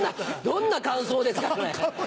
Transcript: どんな感想ですかそれ。